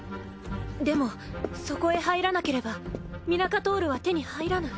でもそこへ入らなければミナカトールは手に入らない。